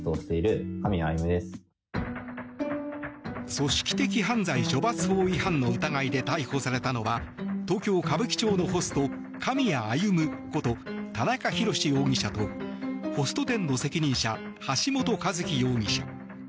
組織的犯罪処罰法違反の疑いで逮捕されたのは東京・歌舞伎町のホスト狼谷歩こと田中裕志容疑者とホスト店の責任者橋本一喜容疑者。